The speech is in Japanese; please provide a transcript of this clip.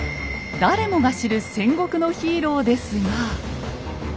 誰もが知る戦国のヒーローですが。